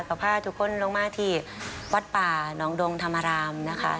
ก็พาทุกคนลงมาที่วัดป่าน้องดงธรรมรามนะคะ